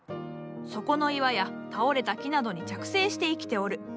そこの岩や倒れた木などに着生して生きておる。